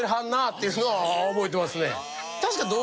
いうのは覚えてますね。